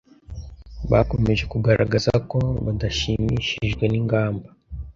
bakomeje kugaragaza ko badashimishijwe n’ingamba